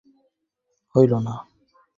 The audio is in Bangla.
কিয়ৎক্ষণ কাহারও মুখে বাক্যস্ফূর্তি হইল না।